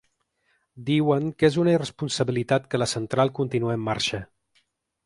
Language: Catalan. Diuen que és una irresponsabilitat que la central continue en marxa.